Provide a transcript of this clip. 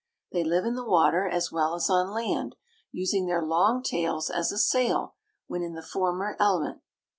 They live in the water as well as on land, using their long tails as a sail when in the former element.